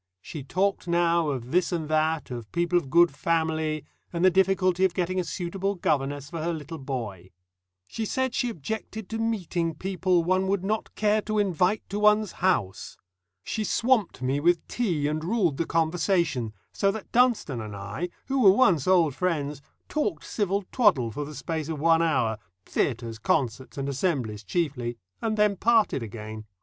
She talked now of this and that, of people of "good family," and the difficulty of getting a suitable governess for her little boy. She said she objected to meeting people "one would not care to invite to one's house." She swamped me with tea and ruled the conversation, so that Dunstone and I, who were once old friends, talked civil twaddle for the space of one hour theatres, concerts, and assemblies chiefly and then parted again.